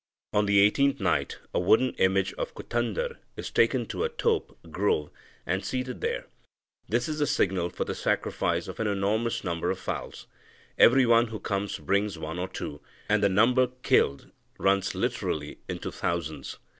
On the eighteenth night, a wooden image of Kuttandar is taken to a tope (grove) and seated there. This is the signal for the sacrifice of an enormous number of fowls. Every one who comes brings one or two, and the number killed runs literally into thousands.